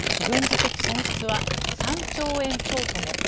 １軍事的損失は３兆円超とも。